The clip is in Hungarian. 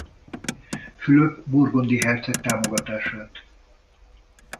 Fülöp burgundi herceg támogatását.